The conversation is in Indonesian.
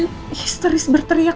kok dia histeris berteriak